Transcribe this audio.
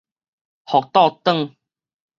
復倒轉